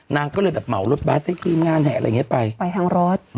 นางอง่าเรืมเข้าไปทั้งรถ